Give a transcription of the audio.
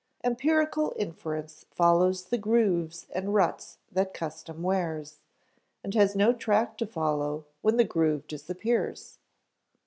Empirical inference follows the grooves and ruts that custom wears, and has no track to follow when the groove disappears.